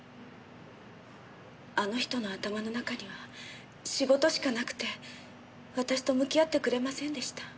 あの人の頭の中には仕事しかなくて私と向き合ってくれませんでした。